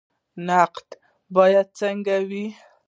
نقد باید څنګه وي؟